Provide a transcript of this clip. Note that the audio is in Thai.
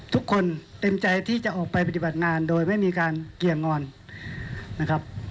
ทุกคนเต็มใจที่จะออกไปปฏิบัติงานโดยไม่มีการเกี่ยงอนนะครับ